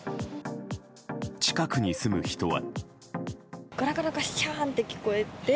近くに住む人は。